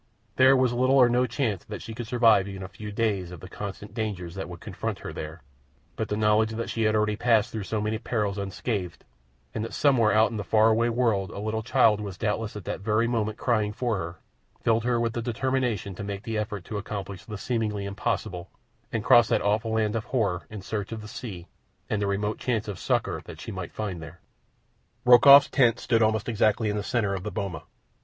There was little or no chance that she could survive even a few days of the constant dangers that would confront her there; but the knowledge that she had already passed through so many perils unscathed, and that somewhere out in the faraway world a little child was doubtless at that very moment crying for her, filled her with determination to make the effort to accomplish the seemingly impossible and cross that awful land of horror in search of the sea and the remote chance of succour she might find there. Rokoff's tent stood almost exactly in the centre of the boma.